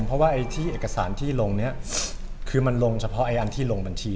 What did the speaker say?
เพราะว่าไอ้ที่เอกสารที่ลงเนี่ยคือมันลงเฉพาะไอ้อันที่ลงบัญชี